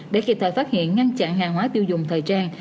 để kịp thời phát hiện ngăn chặn hàng hóa tiêu dùng thời trang